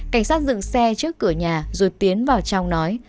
cảnh sát dựng xe trước cửa nhà rồi tiến vào trong nói